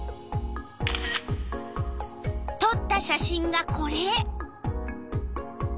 とった写真がこれ。